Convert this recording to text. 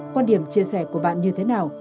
quan điểm chia sẻ của bạn như thế nào